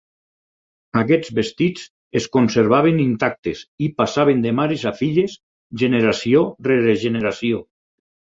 Aquests vestits es conservaven intactes i passaven de mares a filles, generació rere generació.